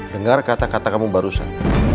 dengar kata kata kamu barusan